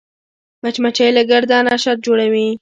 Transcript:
مچمچۍ له ګرده نه شات جوړوي